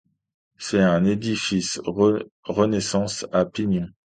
C'est un édifice Renaissance à pignon.